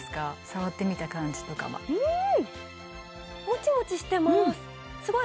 触ってみた感じとかうん！